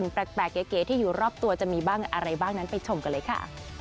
ไปชมกันเลยค่ะ